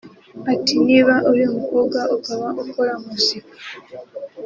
Ati “Niba uri umukobwa ukaba ukora muzika